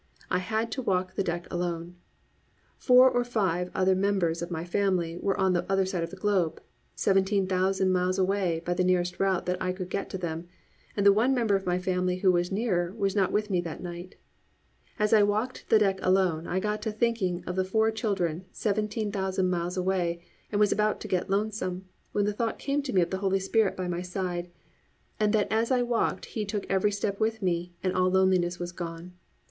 I had to walk the deck alone. Four of the five other members of my family were on the other side of the globe, seventeen thousand miles away by the nearest route that I could get to them, and the one member of my family who was nearer was not with me that night. As I walked the deck alone I got to thinking of the four children seventeen thousand miles away and was about to get lonesome, when the thought came to me of the Holy Spirit by my side, and that as I walked He took every step with me, and all loneliness was gone.